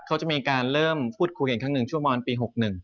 เขาจะมีการเริ่มพูดคุยเห็นครั้งหนึ่งชั่วโมงันปี๖๑